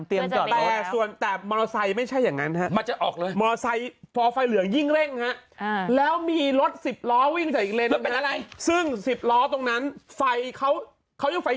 เลยมาเล่าตรงนี้มึงเล่าทำไมมึงเล่าทำไมคือเลยถ่ายพลาดว่ามันเป็น